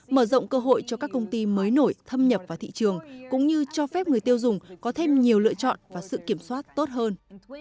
mở rộng cơ hội cho các công ty mới nổi thâm nhập vào thị trường cũng như cho phép người tiêu dùng có thêm nhiều lựa chọn và sự kiểm soát tốt hơn